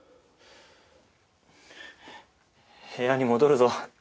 部屋に戻るぞ。